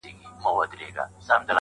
لنډۍ په غزل کي، پنځمه برخه!.